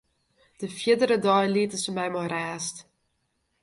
De fierdere dei lieten se my mei rêst.